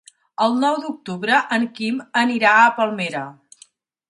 El nou d'octubre en Quim anirà a Palmera.